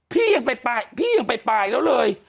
พี่ยังไปปลายพี่ยังไปปลายแล้วเลย